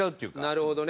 なるほどね。